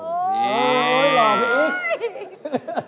โอ้โหหล่อพี่อื้อ